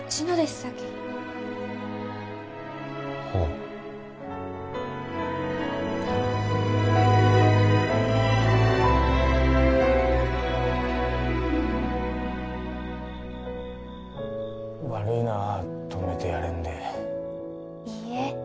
さけはあ悪いな泊めてやれんでいいえ